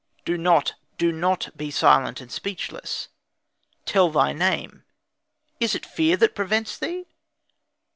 Do not, do not, be silent and speechless; tell thy name; is it fear that prevents thee?"